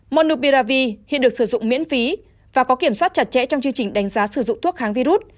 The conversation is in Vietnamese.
monobiravi hiện được sử dụng miễn phí và có kiểm soát chặt chẽ trong chương trình đánh giá sử dụng thuốc kháng virus